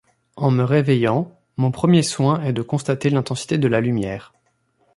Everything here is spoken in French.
En me réveillant, mon premier soin est de constater l’intensité de la lumière.